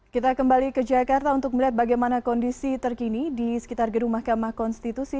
kita kembali ke jakarta untuk melihat bagaimana kondisi terkini di sekitar gedung mahkamah konstitusi